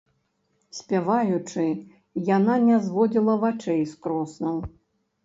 Спяваючы, яна не зводзіла вачэй з кроснаў.